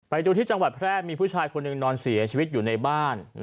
ไปดูที่จังหวัดแพร่มีผู้ชายคนหนึ่งนอนเสียชีวิตอยู่ในบ้าน